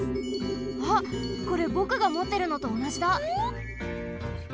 あっこれぼくがもってるのとおなじだ。